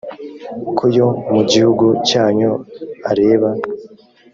ko yo mu gihugu cyanyu areba